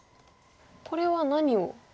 これは何を？